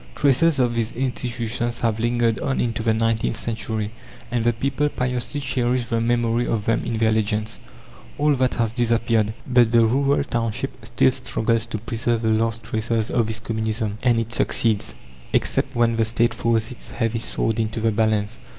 Traces of these institutions have lingered on into the nineteenth century, and the people piously cherish the memory of them in their legends. All that has disappeared. But the rural township still struggles to preserve the last traces of this Communism, and it succeeds except when the State throws its heavy sword into the balance.